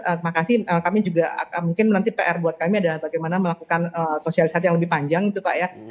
terima kasih kami juga mungkin nanti pr buat kami adalah bagaimana melakukan sosialisasi yang lebih panjang itu pak ya